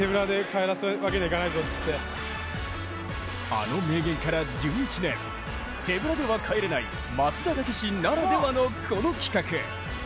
あの名言から１１年手ぶらでは帰れない松田丈志ならではのこの企画。